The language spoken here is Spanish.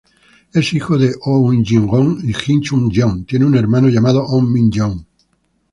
Es hijo de Oh Ui-jong y Jin Su-yeon, tiene un hermano llamado Oh Min-jeong.